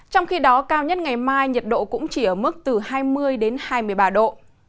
trong khi đó cao nhất ngày mai nhiệt độ cũng chỉ ở mức từ hai mươi đến hai mươi ba độ